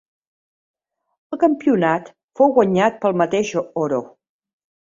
El campionat fou guanyat pel mateix Oro.